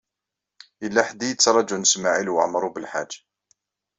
Yella ḥedd i yettṛajun Smawil Waɛmaṛ U Belḥaǧ.